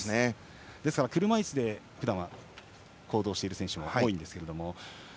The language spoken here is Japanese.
ですから車いすでふだん、行動している選手が多いです。